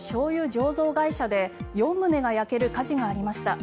醸造会社で４棟が焼ける火事がありました。